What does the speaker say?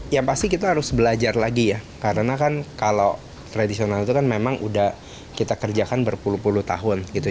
ya pasti kita harus belajar lagi ya karena kan kalau tradisional itu kan memang udah kita kerjakan berpuluh puluh tahun gitu